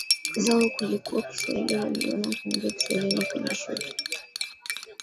zao kuliko kiswahili Waliona kuongea kiswahili ni kijushusha